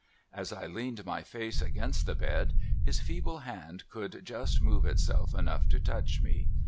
' As I leaned my face against the bed, his feeble hand could just move itself enough to touch me.